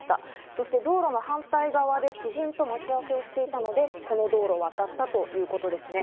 そして道路の反対側で知人と待ち合わせをしていたので、この道路を渡ったということですね。